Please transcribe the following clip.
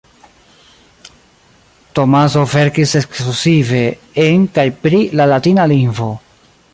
Tomaso verkis ekskluzive en kaj pri la latina lingvo.